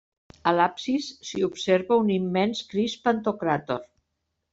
A l'absis, s'hi observa un immens Crist pantocràtor.